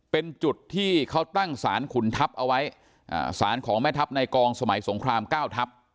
เป็นจุดที่เขาตั้งสารขุนทัพเอาไว้สารของแม่ทัพในกองสมัยสงครามเก้าทับ